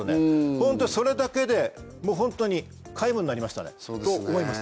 ホントにそれだけでもうホントに皆無になりましたね。と思います。